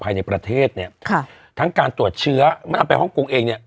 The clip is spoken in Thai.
ภายในประเทศเนี้ยค่ะทางการตรวจเชื้อมันอันไปเองเนี้ย